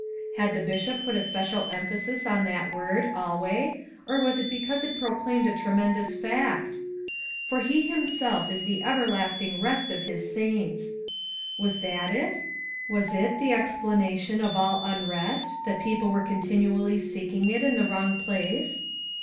Had the Bishop put a special emphasis on that word "alway" or was it because it proclaimed a tremendous fact? "For he himself is the ev erlasting rest of his saints." Was that it? Was it the explanation of all unrest that people were continually seeking it in the wrong place?